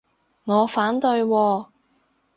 我反對喎